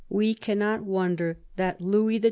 We cannot wonder that Louis XII.